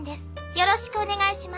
よろしくお願いします。